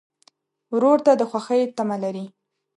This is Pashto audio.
ورور ته د خوښۍ تمه لرې.